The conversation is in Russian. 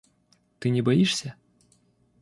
Ты не боишься?